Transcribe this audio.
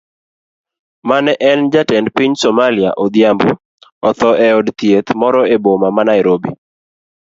Mane en jatend piny Somalia Odhiambo otho eod thieth moro eboma ma Nairobi.